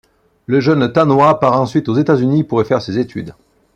Le jeune Tanoa part ensuite aux États-Unis pour y faire ses études.